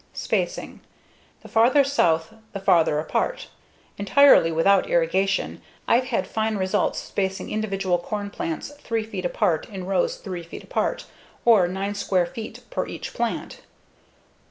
Spacing: The farther south, the farther apart. Entirely without irrigation, I've had fine results spacing individual corn plants 3 feet apart in rows 3 feet apart, or 9 square feet per each plant.